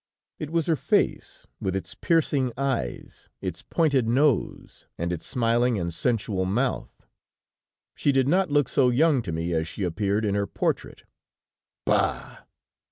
It was her face with its piercing eyes, its pointed nose and its smiling and sensual mouth. She did not look so young to me as she appeared in her portrait. Bah!